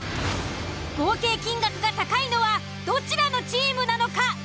合計金額が高いのはどちらのチームなのか？